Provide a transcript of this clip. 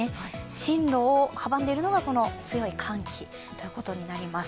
進路を阻んでいるのが強い寒気ということになります。